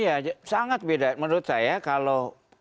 iya sangat beda menurut saya kalau timur